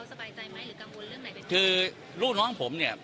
ว่าเขาสบายใจไหมหรือกังวลเรื่องไปกันก็คือรูดน้องผมเนี่ย